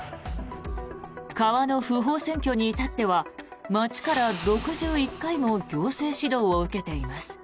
川の不法占拠に至っては町から６１回も行政指導を受けています。